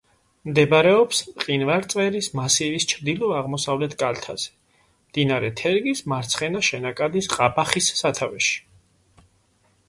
მდებარეობს მყინვარწვერის მასივის ჩრდილო-აღმოსავლეთ კალთაზე, მდინარე თერგის მარცხენა შენაკადის ყაბახის სათავეში.